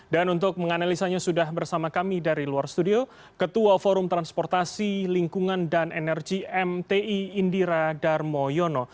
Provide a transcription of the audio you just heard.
dan untuk menganalisanya sudah bersama kami dari luar studio ketua forum transportasi lingkungan dan energi mti indira darmoyono